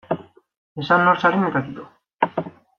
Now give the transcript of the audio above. Esan nor zaren eta kito.